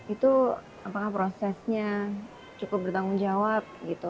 itu apakah prosesnya cukup bertanggung jawab gitu